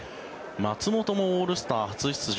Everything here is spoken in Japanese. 松本もオールスター初出場。